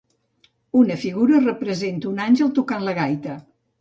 Una figura representa un àngel tocant la gaita.